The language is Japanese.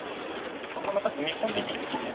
これまた踏み込んでいってですね。